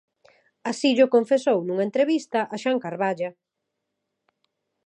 Así llo confesou nunha entrevista a Xan Carballa.